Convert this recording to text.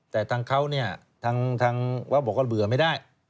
แต่ทางเขาเนี่ยทางวัดบอกว่าเบื่อไม่ได้